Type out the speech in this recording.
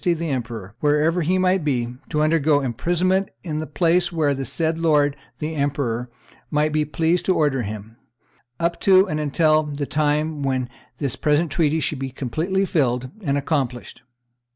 the emperor, wherever he might be, to undergo imprisonment in the place where the said lord the emperor might be pleased to order him, up to and until the time when this present treaty should be completely fulfilled and accomplished.